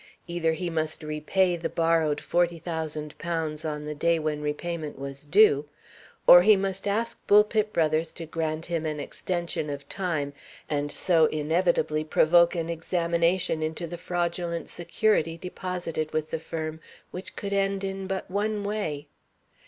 Either he must repay the borrowed forty thousand pounds on the day when repayment was due, or he must ask Bulpit Brothers to grant him an extension of time, and so inevitably provoke an examination into the fraudulent security deposited with the firm, which could end in but one way.